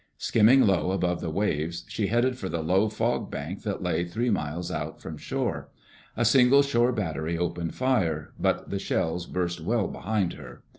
Skimming low above the waves she headed for the low fog bank that lay three miles out from shore. A single shore battery opened fire, but the shells burst well behind her.